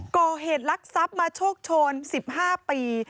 ก่อเหตุลักษณ์ทรัพย์มาโชคชน๑๕ปี